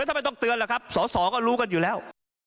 ทำไมต้องเตือนล่ะครับสอสอก็รู้กันอยู่แล้ว